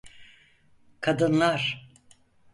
Kadınlar.